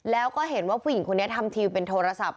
แล้วก็เห็นว่าผู้หญิงคนนี้ทำทีเป็นโทรศัพท์